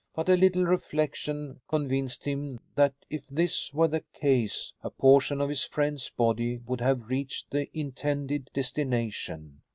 But a little reflection convinced him that if this were the case a portion of his friend's body would have reached the intended destination.